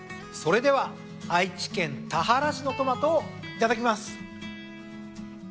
それでは愛知県田原市のトマトをいただきます。